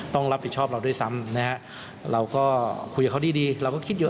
ต้องรับผิดชอบเราด้วยซ้ำนะฮะเราก็คุยกับเขาดีดีเราก็คิดเยอะ